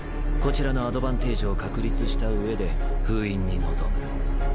こちらのアドバンテージを確立したうえで封印に臨む。